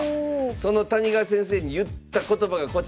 その谷川先生に言った言葉がこちら。